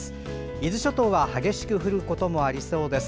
伊豆諸島は激しく降ることもありそうです。